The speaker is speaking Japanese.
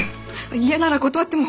嫌なら断っても。